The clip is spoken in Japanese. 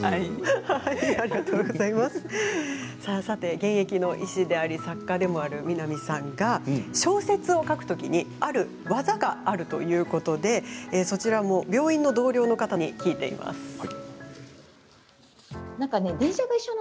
さて、現役の医師であり作家でもある南さんが小説を書くときにある技があるということでそちらも病院の同僚の方に聞いています。